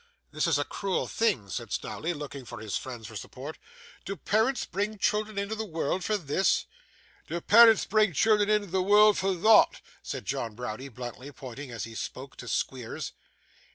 'This is a cruel thing,' said Snawley, looking to his friends for support. 'Do parents bring children into the world for this?' 'Do parents bring children into the world for THOT?' said John Browdie bluntly, pointing, as he spoke, to Squeers.